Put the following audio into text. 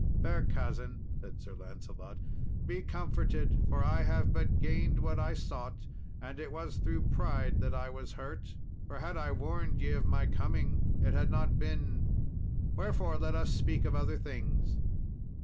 "Fair cousin," said Sir Lancelot, "be comforted, for I have but gained what I sought, and it was through pride that I was hurt, for had I warned ye of my coming it had not been; wherefore let us speak of other things."